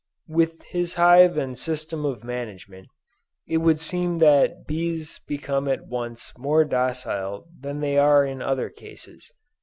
With his hive and system of management it would seem that bees become at once more docile than they are in other cases.